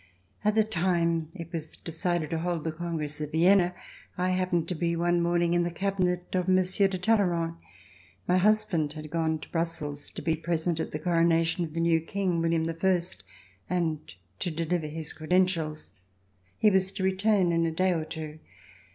AT the time it was decided to hold the Con gress of Vienna, I happened to be one morning in the cabinet of Monsieur de Talleyrand. My husband had gone to Brussels to be present at the coronation of the new King, William the First, and to deliver his credentials. He was to return in a day or two.